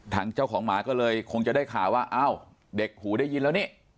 ทางเจ้าของหมาก็เลยคงจะได้ข่าวว่าอ้าวเด็กหูได้ยินแล้วนี่